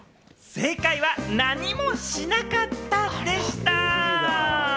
正解は何もしなかったでした。